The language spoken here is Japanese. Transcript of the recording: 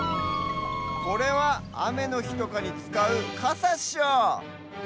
これはあめのひとかにつかうカサっしょ！